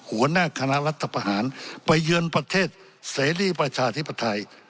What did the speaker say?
หัวหน้าคณะรัฐประหารไปเยือนประเทศเสรีประชาธิปไตย